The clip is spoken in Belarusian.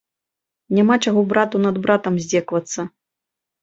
Няма чаго брату над братам здзекавацца.